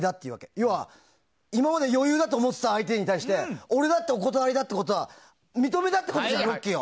要は、今まで余裕だと思ってた相手に対して俺だってお断りだってことは認めたってことじゃないロッキーを。